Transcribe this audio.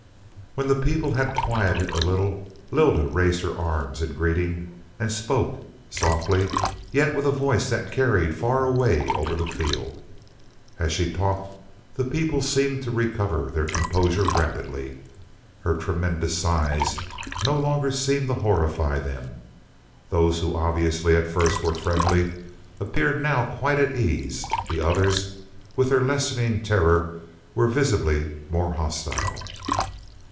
When the people had quieted a little Lylda raised her arms in greeting and spoke, softly, yet with a voice that carried far away over the field. As she talked the people seemed to recover their composure rapidly. Her tremendous size no longer seemed to horrify them. Those who obviously at first were friendly appeared now quite at ease; the others, with their lessening terror, were visibly more hostile.